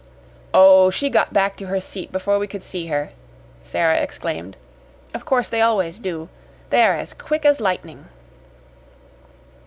"Oh, she got back to her seat before we could see her!" Sara explained. "Of course they always do. They are as quick as lightning."